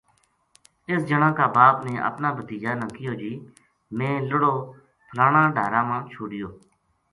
اس جنا کا باپ نے اپنا بھتیجا نا کہیو جے میں لُڑو پھلاناڈھاراما چھوڈیو